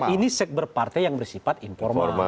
ini sekber partai yang bersifat informal